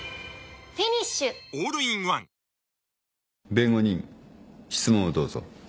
弁護人質問をどうぞ。